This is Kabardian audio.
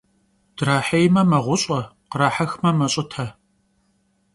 Drahêyme, meğuş'e, khrahexme, meş'ıte.